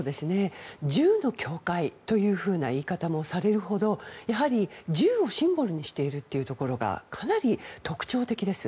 銃の教会という言い方もされるほどやはり、銃をシンボルにしているというところがかなり特徴的です。